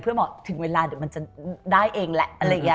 เพื่อหมดเวลาเดี๋ยวมันจะได้เองแหละ